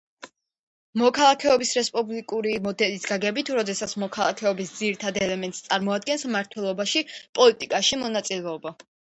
მოქალაქეობის რესპუბლიკური მოდელის გაგებით როდესაც მოქალაქეობის ძირითად ელემენტს წარმოადგენს მმართველობაში, პოლიტიკაში მონაწილეობა.